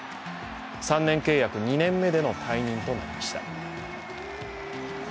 ３年契約、２年目での退任となりました。